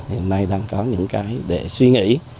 hiện nay đang có những cái để suy nghĩ